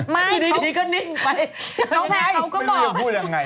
ไม่เดี๋ยวก็นิ่งไปยังไงไม่มีว่าจะพูดยังไงน้องแพนเขาก็บอก